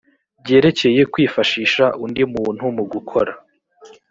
byerekeye kwifashisha undi muntu mu gukora